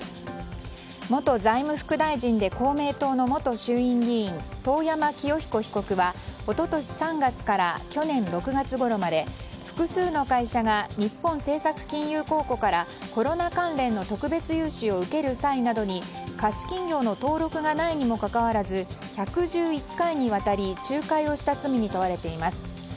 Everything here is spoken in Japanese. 元財務副大臣で公明党の元衆院議員、遠山清彦被告は一昨年３月から去年６月ごろまで複数の会社が日本政策金融公庫からコロナ関連の特別融資を受ける際などに貸金業の登録がないにもかかわらず１１１回にわたり仲介をした罪に問われています。